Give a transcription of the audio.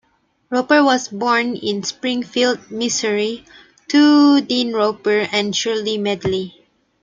Roper was born in Springfield, Missouri, to Dean Roper and Shirley Medley.